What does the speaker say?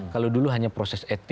kalau dulu hanya proses etik